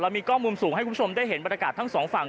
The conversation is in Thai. มีกล้องมุมสูงให้คุณผู้ชมได้เห็นบรรยากาศทั้งสองฝั่ง